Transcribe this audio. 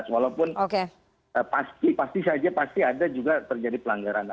walaupun pasti saja pasti ada juga terjadi pelanggaran